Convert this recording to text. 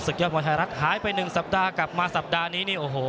ยอดมวยไทยรัฐหายไป๑สัปดาห์กลับมาสัปดาห์นี้นี่โอ้โห